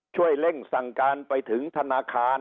เร่งสั่งการไปถึงธนาคาร